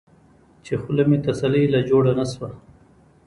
چې خله مې تسلۍ له جوړه نۀ شوه ـ